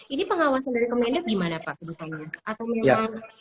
ini pengawasan dari komender gimana pak kebutuhannya